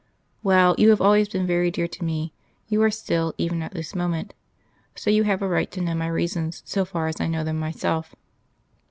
"Well, you have always been very dear to me; you are still, even at this moment. So you have a right to know my reasons so far as I know them myself.